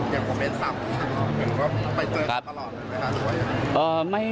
อย่างผมเองสำหรับคุณคุณก็ไปเจอกันตลอดเลยไหมครับ